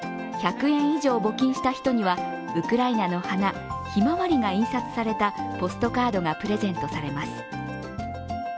１００円以上募金した人はウクライナの花、ひまわりが印刷されたポストカードがプレゼントされます。